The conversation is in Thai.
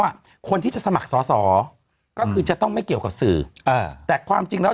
ว่าคนที่จะสมัครสอสอก็คือจะต้องไม่เกี่ยวกับสื่อแต่ความจริงแล้ว